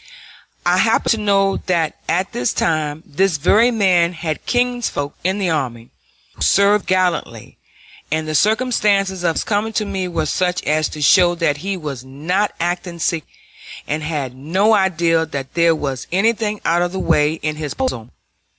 I happened to know that at this time this very man had kinsfolk with the army, who served gallantly, and the circumstances of his coming to me were such as to show that he was not acting secretly, and had no idea that there was anything out of the way in his proposal.